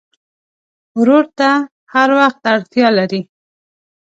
ورور ته هر وخت اړتیا لرې.